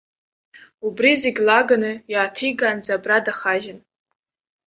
Убри зегьы лаганы иааҭигаанӡа абра дахажьын.